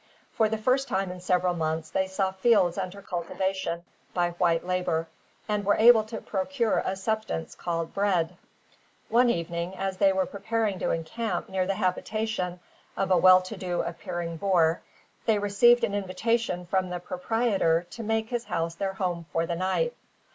For the first time in several months they saw fields under cultivation by white labour, and were able to procure a substance called "bread." One evening, as they were preparing to encamp near the habitation of a well to do appearing boer, they received an invitation from the proprietor to make his house their home for the night.